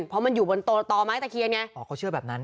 เพราะมันอยู่บนต่อไม้ตะเคียนไงอ๋อเขาเชื่อแบบนั้น